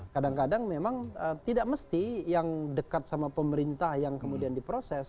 kadang kadang memang tidak mesti yang dekat sama pemerintah yang kemudian diproses